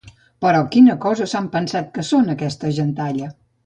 Però quina cosa s'han pensat que són, aquesta gentalla?